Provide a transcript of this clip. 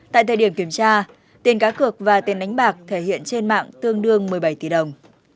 tại thời điểm kiểm tra tiền cá cược và tiền đánh bạc thể hiện trên mạng tương đương một mươi bảy tỷ đồng